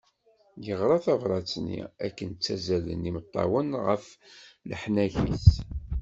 Yeɣra tabrat-nni akken ttazzalen imeṭṭawen ɣef leḥnak-is.